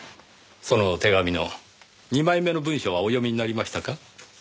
その手紙の２枚目の文章はお読みになりましたか？